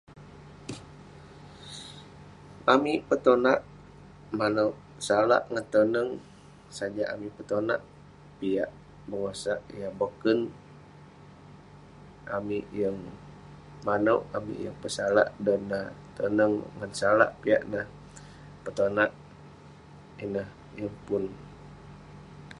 amik petonak, manouk salak ngan toneng, sajak amik petonak..piak bengosak yah boken, amik yeng manouk, amik yeng pesalak dan neh toneng ngan salak piak neh, petonak ineh...yeng pun..